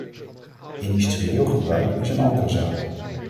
Industrieel gebruik is een andere zaak.